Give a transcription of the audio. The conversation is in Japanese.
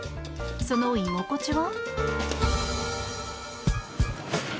その居心地は？